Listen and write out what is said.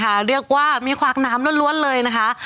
เรียกว่ามีขวากน้ำล้วนเลยนะคะ